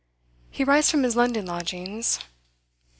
He writes from his London lodgings.